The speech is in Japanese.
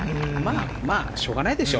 しょうがないでしょ。